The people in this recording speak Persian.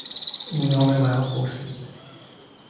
او نام مرا پرسید.